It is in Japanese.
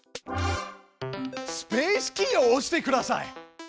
スペースキーを押してください。